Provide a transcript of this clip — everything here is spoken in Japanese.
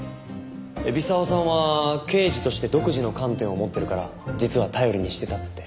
海老沢さんは刑事として独自の観点を持ってるから実は頼りにしてたって。